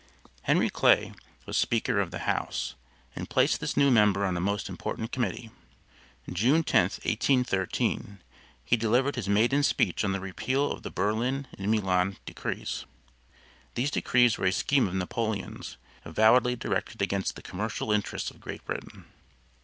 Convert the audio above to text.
Henry Clay was speaker of the house, and placed this new member on a most important committee. June 10, 1813, he delivered his maiden speech on the repeal of the Berlin and Milan decrees. These decrees were a scheme of Napoleon's, avowedly directed against the commercial interests of Great Britain.